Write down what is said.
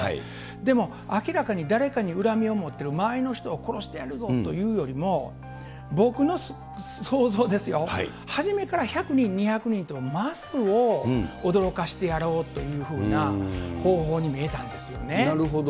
でも明らかに誰かに恨みを持っている、周りの人を殺してやるぞというよりも、僕の想像ですよ、初めから１００人、２００人とマスを驚かしてやろうというような方法に見えたんですなるほど。